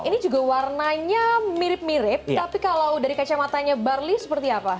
ini juga warnanya mirip mirip tapi kalau dari kacamatanya barli seperti apa